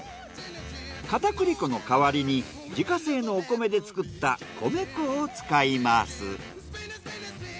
片栗粉の代わりに自家製のお米で作った米粉を使います。